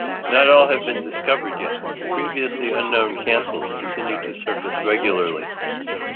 Not all have been discovered yet; previously unknown cancels continue to surface regularly.